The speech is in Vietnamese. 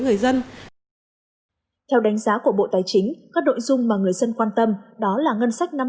người dân theo đánh giá của bộ tài chính các nội dung mà người dân quan tâm đó là ngân sách năm